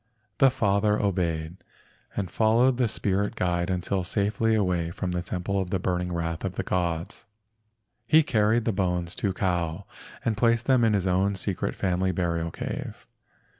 The father obeyed, and followed the spirit guide until safely away from the temple of the burning wrath of the gods. He carried the bones to Kau and placed them in his own secret family burial cave.